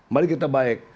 mari kita baik